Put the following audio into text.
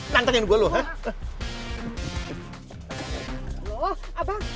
rantengin gue lu hah